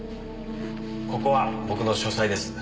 ここは僕の書斎です。